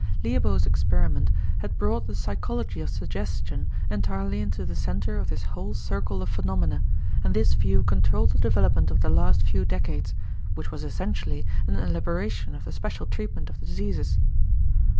Liébeault's experiment had brought the psychology of suggestion entirely into the center of this whole circle of phenomena and this view controlled the development of the last few decades, which was essentially an elaboration of the special treatment of diseases.